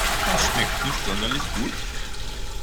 Was schmeckt nicht sonderlich gut?